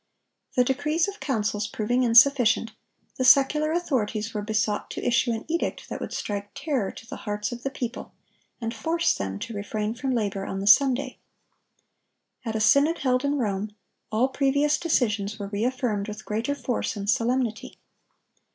(1010) The decrees of councils proving insufficient, the secular authorities were besought to issue an edict that would strike terror to the hearts of the people, and force them to refrain from labor on the Sunday. At a synod held in Rome, all previous decisions were reaffirmed with greater force and solemnity.